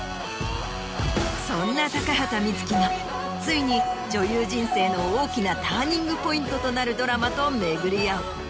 そんな高畑充希がついに女優人生の大きなターニングポイントとなるドラマと巡り合う。